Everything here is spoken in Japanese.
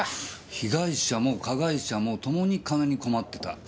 被害者も加害者もともに金に困ってた。